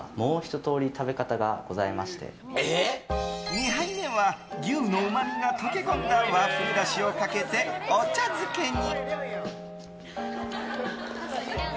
２杯目は牛のうまみが溶け込んだ和風だしをかけてお茶漬けに。